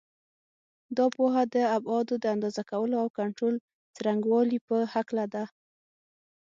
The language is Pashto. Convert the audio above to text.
دا پوهه د ابعادو د اندازه کولو او کنټرول څرنګوالي په هکله ده.